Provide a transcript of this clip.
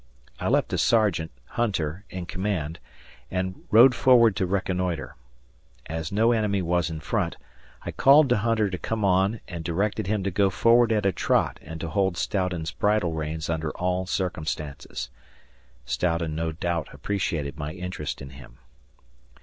I left a sergeant, Hunter, in command and rode forward to reconnoitre. As no enemy was in front, I called to Hunter to come on and directed him to go forward at a trot and to hold Stoughton's bridle reins under all circumstances. Stoughton no doubt appreciated my interest in him.